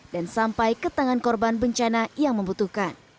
dan sampai ke tangan korban bencana yang membutuhkan